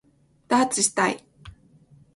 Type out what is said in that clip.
ダーツしたい